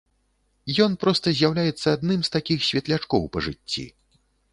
Ён проста з'яўляецца адным з такіх светлячкоў па жыцці.